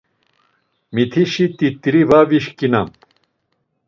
Mitişi t̆it̆iri var vişǩinam.